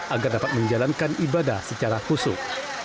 agar dapat menjalankan ibadah secara khusus